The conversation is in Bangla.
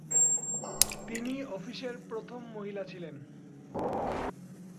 তিনি অফিসের প্রথম মহিলা ছিলেন।